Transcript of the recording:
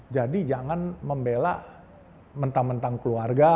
jadi jangan membela mentang mentang keluarga